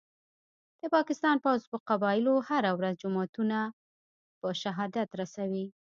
د پاکستان پوځ په قبایلو کي هره ورځ جوماتونه په شهادت رسوي